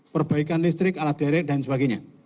perbaikan listrik alat derek dan sebagainya